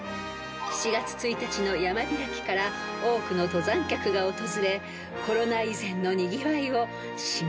［７月１日の山開きから多くの登山客が訪れコロナ以前のにぎわいをしのぐ勢いだそうです］